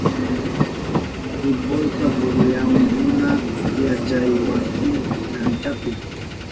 Futbolta pukllahunkuna yachaywasipa kanchanpi.